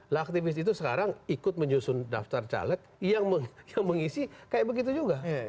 nah aktivis itu sekarang ikut menyusun daftar caleg yang mengisi kayak begitu juga